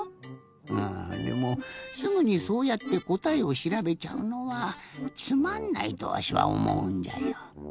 あぁでもすぐにそうやってこたえをしらべちゃうのはつまんないとわしはおもうんじゃよ。